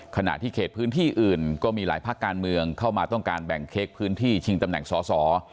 ขณะที่เขตพื้นที่อื่นก็มีหลายภาคการเมืองเข้ามาต้องการแบ่งเค้กพื้นที่ชิงตำแหน่งสอสอ